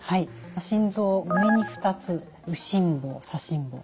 心臓上に２つ右心房左心房。